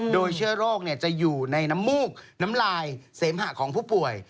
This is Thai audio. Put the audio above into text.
โดยเชื้อโรคจะอยู่ในน้ำมูกน้ำลายเสมหะของผู้ป่วย